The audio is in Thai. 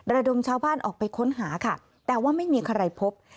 ระดมชาวบ้านออกไปค้นหาค่ะแต่ว่าไม่มีใครพบ